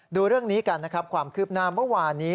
ดูเรื่องนี้กันนะครับความคืบหน้าเมื่อวานนี้